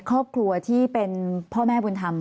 ครอบครัวที่เป็นพ่อแม่บุญธรรม